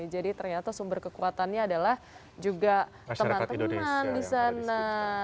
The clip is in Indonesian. ternyata sumber kekuatannya adalah juga teman teman di sana